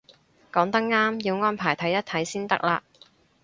講得啱，要安排睇一睇先得嘞